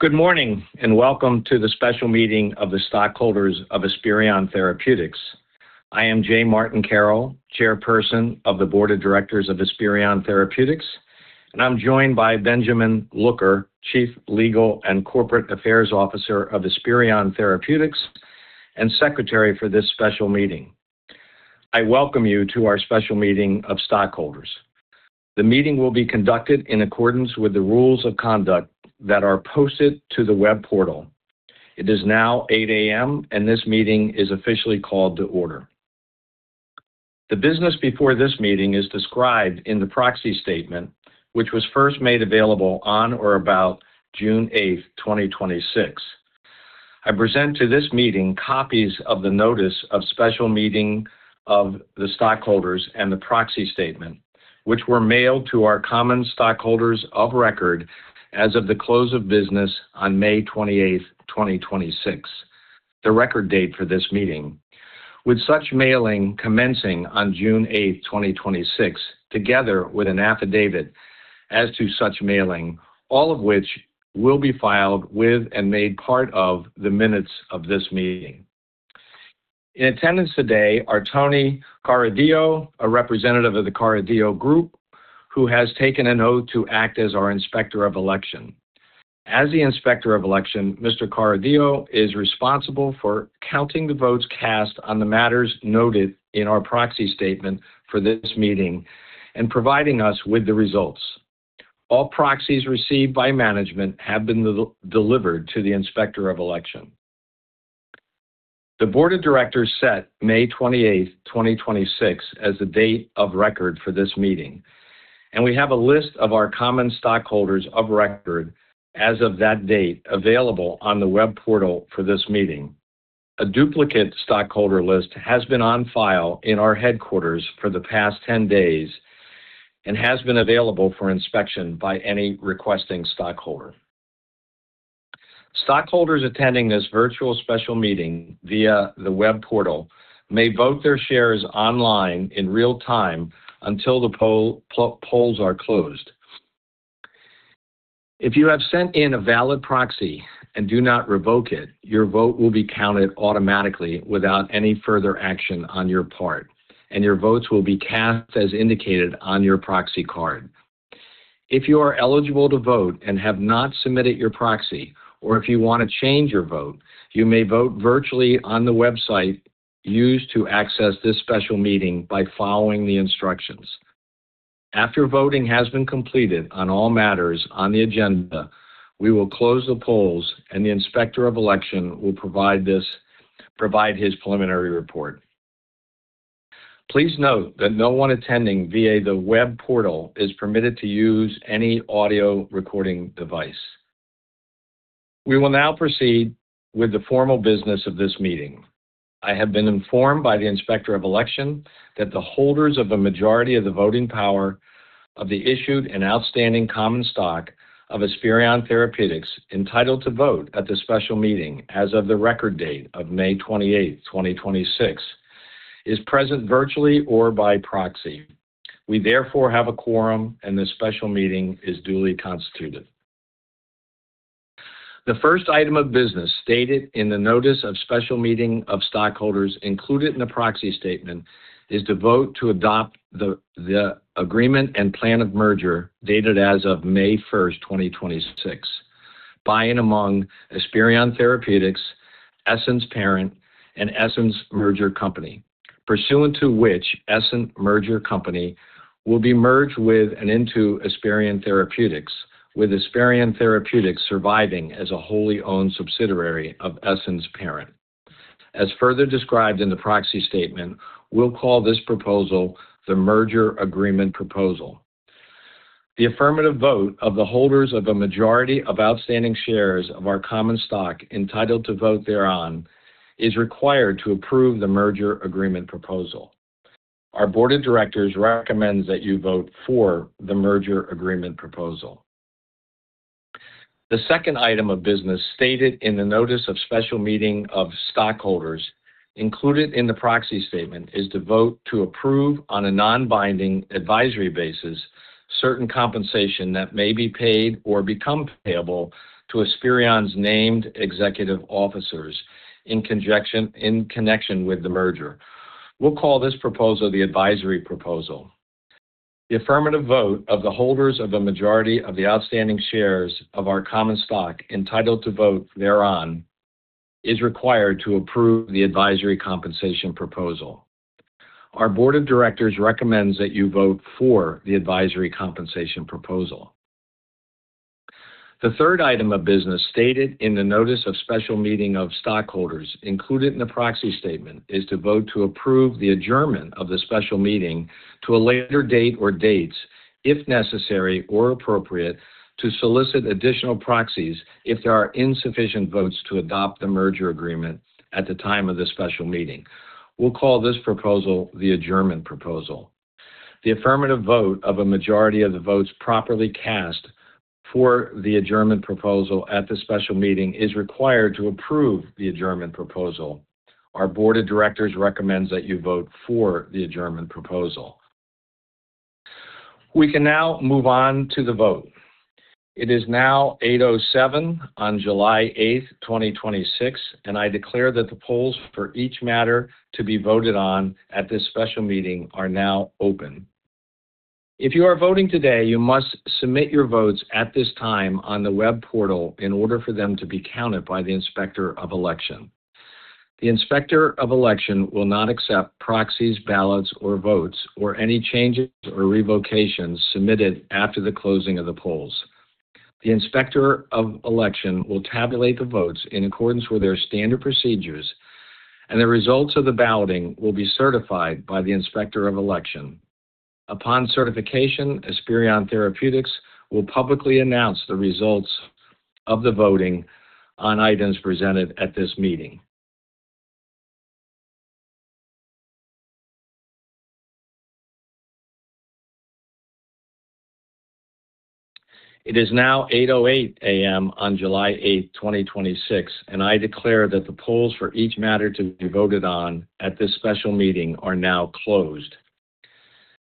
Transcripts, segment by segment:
Good morning. Welcome to the Special Meeting of the Stockholders of Esperion Therapeutics. I am J. Martin Carroll, Chairperson of the Board of Directors of Esperion Therapeutics, and I'm joined by Benjamin Looker, Chief Legal and Corporate Affairs Officer of Esperion Therapeutics, and Secretary for this special meeting. I welcome you to our Special Meeting of Stockholders. The meeting will be conducted in accordance with the rules of conduct that are posted to the web portal. It is now 8:00 A.M. This meeting is officially called to order. The business before this meeting is described in the proxy statement, which was first made available on or about June 8th, 2026. I present to this meeting copies of the notice of Special Meeting of the Stockholders and the proxy statement, which were mailed to our common stockholders of record as of the close of business on May 28th, 2026, the record date for this meeting. With such mailing commencing on June 8th, 2026, together with an affidavit as to such mailing, all of which will be filed with and made part of the minutes of this meeting. In attendance today are Tony Carideo, a representative of the Carideo Group, who has taken an oath to act as our Inspector of Election. As the Inspector of Election, Mr. Carideo is responsible for counting the votes cast on the matters noted in our proxy statement for this meeting and providing us with the results. All proxies received by management have been delivered to the Inspector of Election. The Board of Directors set May 28th, 2026, as the date of record for this meeting. We have a list of our common stockholders of record as of that date available on the web portal for this meeting. A duplicate stockholder list has been on file in our headquarters for the past 10 days and has been available for inspection by any requesting stockholder. Stockholders attending this virtual special meeting via the web portal may vote their shares online in real time until the polls are closed. If you have sent in a valid proxy and do not revoke it, your vote will be counted automatically without any further action on your part. Your votes will be cast as indicated on your proxy card. If you are eligible to vote and have not submitted your proxy, if you want to change your vote, you may vote virtually on the website used to access this special meeting by following the instructions. After voting has been completed on all matters on the agenda, we will close the polls. The Inspector of Election will provide his preliminary report. Please note that no one attending via the web portal is permitted to use any audio recording device. We will now proceed with the formal business of this meeting. I have been informed by the Inspector of Election that the holders of a majority of the voting power of the issued and outstanding common stock of Esperion Therapeutics entitled to vote at the special meeting as of the record date of May 28th, 2026, is present virtually or by proxy. We therefore have a quorum, and this special meeting is duly constituted. The first item of business stated in the notice of Special Meeting of Stockholders included in the proxy statement is to vote to adopt the Agreement and Plan of Merger dated as of May 1, 2026, by and among Esperion Therapeutics, Essence Parent, and Essence MergerCo, pursuant to which Essence MergerCo will be merged with and into Esperion Therapeutics, with Esperion Therapeutics surviving as a wholly owned subsidiary of Essence Parent. As further described in the proxy statement, we'll call this proposal the Merger Agreement Proposal. The affirmative vote of the holders of a majority of outstanding shares of our common stock entitled to vote thereon is required to approve the Merger Agreement Proposal. Our Board of Directors recommends that you vote for the Merger Agreement Proposal. The second item of business stated in the notice of Special Meeting of Stockholders included in the proxy statement is to vote to approve, on a non-binding advisory basis, certain compensation that may be paid or become payable to Esperion's named executive officers in connection with the merger. We'll call this proposal the Advisory Proposal. The affirmative vote of the holders of a majority of the outstanding shares of our common stock entitled to vote thereon is required to approve the Advisory Compensation Proposal. Our Board of Directors recommends that you vote for the Advisory Compensation Proposal. The third item of business stated in the notice of Special Meeting of Stockholders included in the proxy statement is to vote to approve the adjournment of the special meeting to a later date or dates, if necessary or appropriate, to solicit additional proxies if there are insufficient votes to adopt the merger agreement at the time of the special meeting. We'll call this proposal the Adjournment Proposal. The affirmative vote of a majority of the votes properly cast for the Adjournment Proposal at the special meeting is required to approve the Adjournment Proposal. Our Board of Directors recommends that you vote for the Adjournment Proposal. We can now move on to the vote. It is now 8:07 A.M. on July 8, 2026, and I declare that the polls for each matter to be voted on at this special meeting are now open. If you are voting today, you must submit your votes at this time on the web portal in order for them to be counted by the Inspector of Election. The Inspector of Election will not accept proxies, ballots or votes or any changes or revocations submitted after the closing of the polls. The Inspector of Election will tabulate the votes in accordance with their standard procedures, and the results of the balloting will be certified by the Inspector of Election. Upon certification, Esperion Therapeutics will publicly announce the results of the voting on items presented at this meeting. It is now 8:08 A.M. on July 8, 2026, and I declare that the polls for each matter to be voted on at this special meeting are now closed.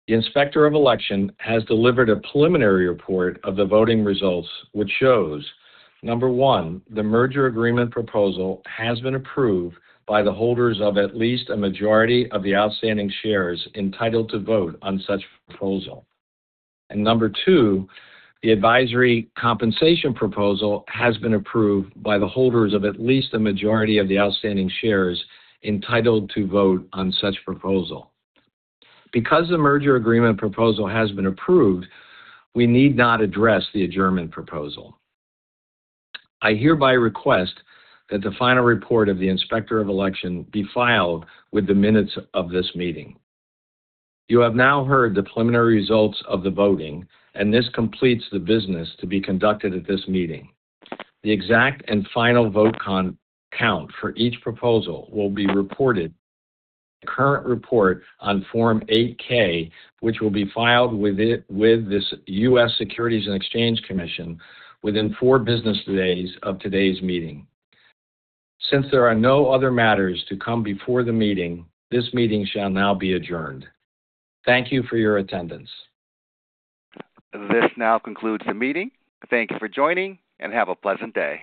The Inspector of Election has delivered a preliminary report of the voting results, which shows, number one, the Merger Agreement Proposal has been approved by the holders of at least a majority of the outstanding shares entitled to vote on such proposal. Number two, the Advisory Compensation Proposal has been approved by the holders of at least a majority of the outstanding shares entitled to vote on such proposal. Because the Merger Agreement Proposal has been approved, we need not address the Adjournment Proposal. I hereby request that the final report of the Inspector of Election be filed with the minutes of this meeting. You have now heard the preliminary results of the voting, and this completes the business to be conducted at this meeting. The exact and final vote count for each proposal will be reported in the current report on Form 8-K, which will be filed with the U.S. Securities and Exchange Commission within four business days of today's meeting. Since there are no other matters to come before the meeting, this meeting shall now be adjourned. Thank you for your attendance. This now concludes the meeting. Thank you for joining, and have a pleasant day.